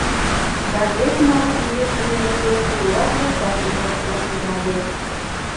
Газетна, изиш лиймеке, кугурак лышташ дене лекташ тӱҥале.